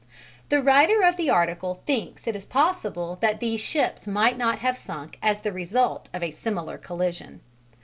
The writer of the article thinks it possible that these ships might not have sunk as the result of a similar collision.